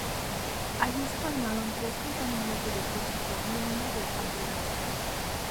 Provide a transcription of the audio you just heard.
Allí se formaron tres compañías de depósito y una de ambulancia.